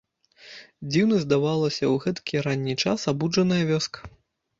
Дзіўнай здавалася ў гэткі ранні час абуджаная вёска.